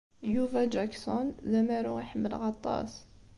Yuba Jackson d amaru i ḥemmleɣ aṭas.